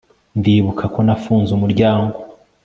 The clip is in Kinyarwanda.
Ndibuka ko nafunze umuryango